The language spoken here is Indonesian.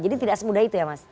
jadi tidak semudah itu ya mas